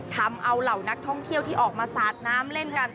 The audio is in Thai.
ทำเอาเหล่านักท่องเที่ยวที่ออกมาสาดน้ำเล่นกัน